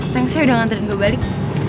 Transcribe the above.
thanks ya udah ngantret gue balik